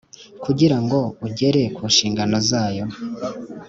kugira ngo ugere ku nshingano zayo